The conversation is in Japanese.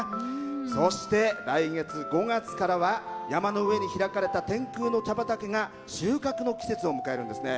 そして、来月５月からは山の上に開かれた天空の茶畑が収穫の季節を迎えるんですね。